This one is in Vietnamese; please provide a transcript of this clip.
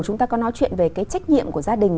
chúng ta có nói chuyện về cái trách nhiệm của gia đình